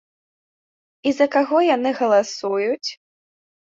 І за каго яны галасуюць?